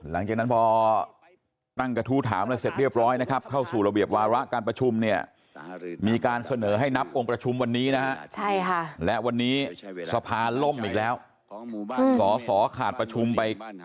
และมีสิทธิ์ทำอะไรบ้างครับ